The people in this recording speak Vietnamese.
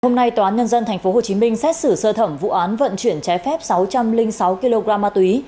hôm nay tòa án nhân dân tp hcm xét xử sơ thẩm vụ án vận chuyển trái phép sáu trăm linh sáu kg ma túy